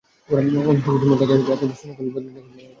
অনুসন্ধিৎসু মন তাকে একেবারে শৃঙ্খলিত বন্দীর নিকটে নিয়ে এল।